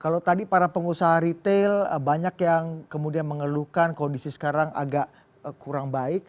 kalau tadi para pengusaha retail banyak yang kemudian mengeluhkan kondisi sekarang agak kurang baik